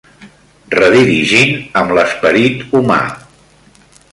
Redirigint amb l'esperit humà.